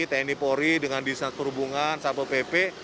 tni polri dengan dinas perhubungan sapo pp